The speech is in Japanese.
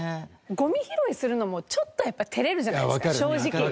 ゴミ拾いするのもちょっとやっぱ照れるじゃないですか正直。